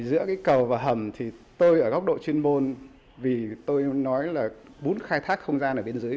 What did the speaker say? giữa cái cầu và hầm thì tôi ở góc độ chuyên môn vì tôi nói là muốn khai thác không gian ở bên dưới